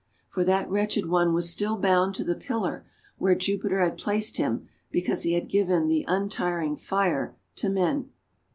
For that wretched one was still bound to the pillar where Jupiter had placed him because he had given the untiring Fire to men.